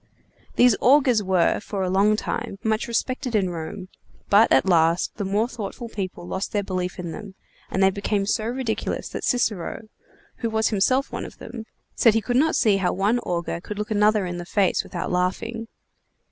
These augurs were, for a long time, much respected in Rome, but, at last, the more thoughtful people lost their belief in them, and they became so ridiculous that Cicero, who was himself one of them, said he could not see how one augur could look another in the face without laughing.